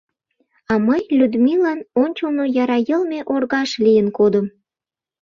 А мый Людмилан ончылно яра йылме оргаж лийын кодым.